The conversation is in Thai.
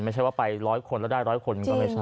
ไม่ใช่ว่าไปร้อยคนแล้วได้ร้อยคนก็ไม่ใช่